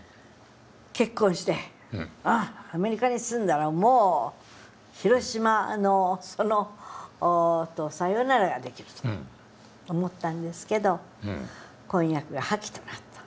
結婚してアメリカに住んだらもう広島とさよならができると思ったんですけど婚約破棄となった。